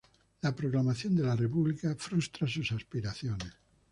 La proclamación de la República frustra sus aspiraciones.